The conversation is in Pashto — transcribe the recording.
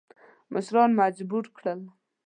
مشران مجبور کړل.